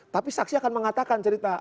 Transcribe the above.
tapi saksi akan mengatakan cerita